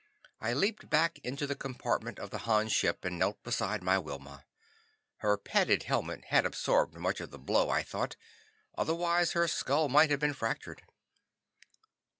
I leaped back into the compartment of the Han ship and knelt beside my Wilma. Her padded helmet had absorbed much of the blow, I thought; otherwise, her skull might have been fractured.